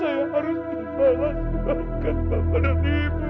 terima kasih pak